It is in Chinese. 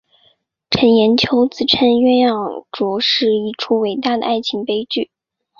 程砚秋自称鸳鸯冢是一出伟大的爱情悲剧。